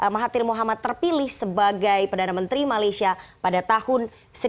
mahathir mohamad terpilih sebagai perdana menteri malaysia pada tahun seribu sembilan ratus delapan puluh satu dua ribu tiga